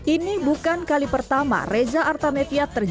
ini bukan kali pertama reza artamevia terjadi